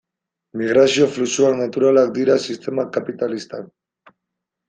Migrazio fluxuak naturalak dira sistema kapitalistan.